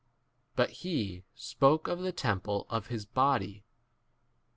21 But he x spoke of the temple k of 22 his body.